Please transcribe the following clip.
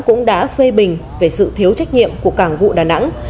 cũng đã phê bình về sự thiếu trách nhiệm của cảng vụ đà nẵng